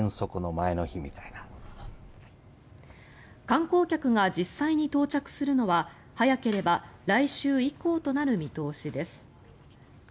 観光客が実際に到着するのは早ければ来週以降となる見通しです。